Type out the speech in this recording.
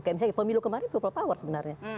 kayak misalnya pemilu kemarin ppp sebenarnya